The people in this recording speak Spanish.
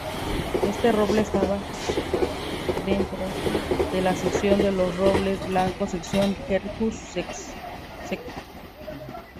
Este roble está dentro de la sección de los robles blancos sección "Quercus sect.